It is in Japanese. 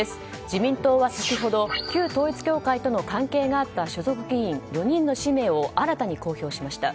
自民党は先ほど旧統一教会との関係があった所属議員４人の氏名を新たに公表しました。